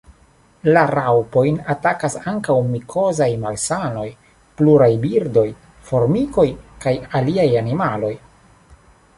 La raŭpojn atakas ankaŭ mikozaj malsanoj, pluraj birdoj, formikoj kaj aliaj animaloj.